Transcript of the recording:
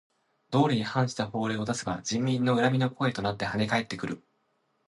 道理に反した法令を出せば人民の恨みの声となってはね返ってくる。